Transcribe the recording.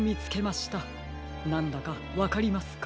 なんだかわかりますか？